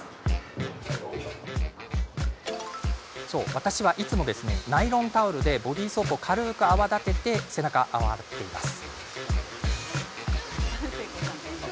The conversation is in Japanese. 私は、いつもナイロンタオルでボディーソープを軽く泡立てて背中を洗っています。